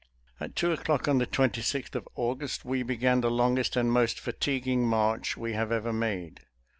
At two o'clock of the 26th day of August we began the longest and most fatiguing march we have ever made.